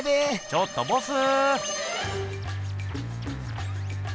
ちょっとボス。